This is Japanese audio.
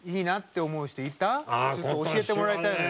ちょっと教えてもらいたいの。